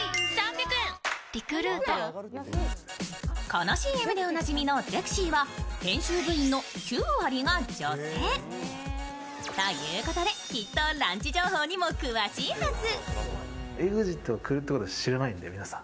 このＣＭでおなじみの「ゼクシィ」は編集部員の９割が女性。ということできっとランチ情報にも詳しいはず。